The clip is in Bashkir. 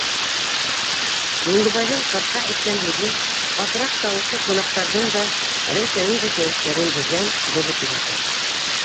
Юлдыбайҙың ҡырҡа әйткән һүҙе, ҡатыраҡ тауышы ҡунаҡтарҙың да, Рәйсәнең дә кәйефтәрен берҙән боҙоп ебәрҙе.